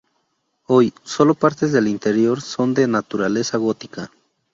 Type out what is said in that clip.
Hoy, solo partes del interior son de naturaleza gótica.